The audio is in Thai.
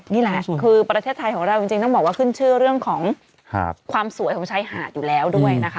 นี่แหละคือประเทศไทยของเราจริงต้องบอกว่าขึ้นชื่อเรื่องของความสวยของชายหาดอยู่แล้วด้วยนะคะ